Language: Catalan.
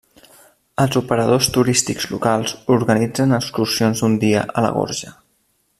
Els operadors turístics locals organitzen excursions d'un dia a la Gorja.